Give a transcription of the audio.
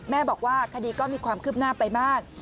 แม่บอกว่าคดีก็มีความคืบหน้าไปมาก